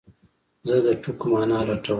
زه د ټکو مانا لټوم.